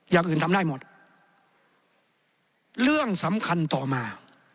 อย่างอื่นทำได้หมดเรื่องสำคัญต่อมา